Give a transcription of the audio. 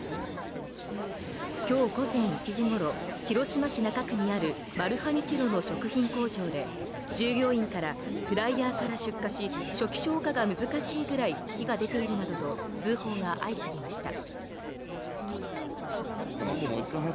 今日午前１時ごろ広島市中区にあるマルハニチロの食品工場で従業員からフライヤーから出火し初期消火が難しいぐらい火が出ているなどと通報が相次ぎました。